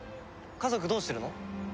家族どうしてるの？